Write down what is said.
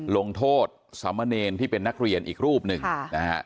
ลงโทษสำเนินที่เป็นนักเรียนอีกรูปหนึ่ง